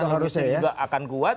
urunan logistik juga akan kuat